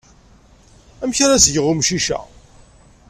Amek ar ad s-geɣ i wemcic-a?